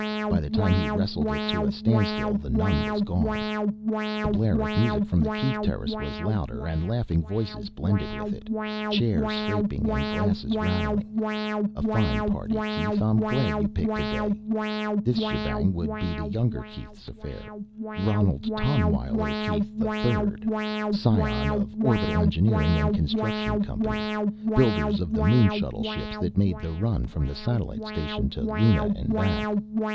By the time he wrestled it to a standstill, the nun was gone. The blare of music from the Keith terrace was louder, and laughing voices blended with it. Chairs scraping and glasses rattling. A fine party, Keith, I'm glad you picked today. This shebang would be the younger Keith's affair. Ronald Tonwyler Keith, III, scion of Orbital Engineering and Construction Company builders of the moon shuttle ships that made the run from the satellite station to Luna and back.